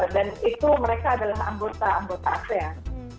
dan itu mereka adalah anggota anggota asean